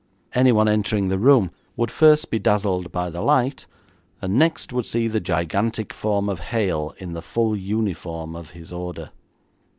Anyone entering the room would first be dazzled by the light, and next would see the gigantic form of Hale in the full uniform of his order.